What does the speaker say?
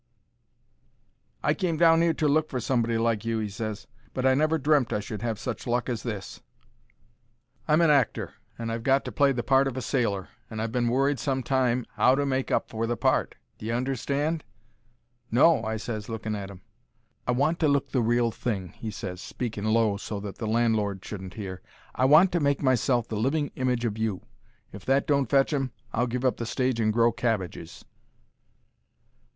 "I came down 'ere to look for somebody like you," he ses, "but I never dreamt I should have such luck as this. I'm an actor, and I've got to play the part of a sailor, and I've been worried some time 'ow to make up for the part. D'ye understand?" "No," I ses, looking at 'im. "I want to look the real thing," he ses, speaking low so the landlord shouldn't hear. "I want to make myself the living image of you. If that don't fetch 'em I'll give up the stage and grow cabbages."